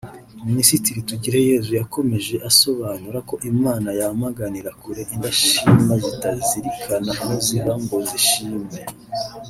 Minisitiri Tugireyezu yakomeje asobanura ko Imana yamaganira kure indashima zitazirikana aho ziva ngo zishime